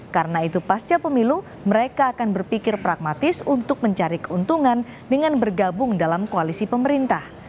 karena itu pasca pemilu mereka akan berpikir pragmatis untuk mencari keuntungan dengan bergabung dalam koalisi pemerintah